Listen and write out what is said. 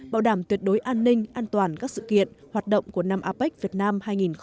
bảo đảm tuyệt đối an ninh an toàn các sự kiện hoạt động của năm apec việt nam hai nghìn hai mươi